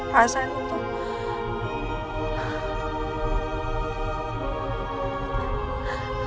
perasaan itu tuh